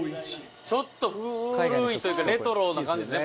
ちょっと古いというかレトロな感じですね